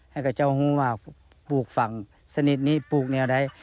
ให้เจ้าหุ้นว่าปลูกฝั่งสนิทนี้ปลูกนี่อะไร